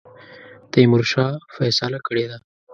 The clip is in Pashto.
تیمورشاه فیصله کړې ده.